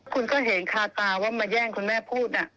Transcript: คุณก็เห็นคาตาว่ามาแย่งคุณแม่พูด